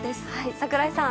櫻井さん。